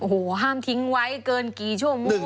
โอ้โหห้ามทิ้งไว้เกินกี่ชั่วโมง